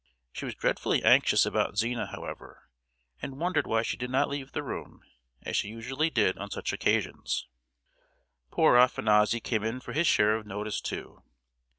She was dreadfully anxious about Zina, however, and wondered why she did not leave the room, as she usually did on such occasions. Poor Afanassy came in for his share of notice, too.